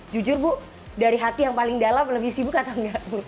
jujur bu dari hati yang paling dalam lebih sibuk atau enggak